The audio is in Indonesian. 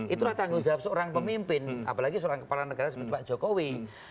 itulah tanggung jawab seorang pemimpin apalagi seorang kepala negara seperti pak jokowi